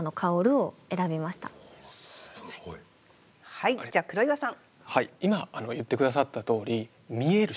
はいじゃあ黒岩さん。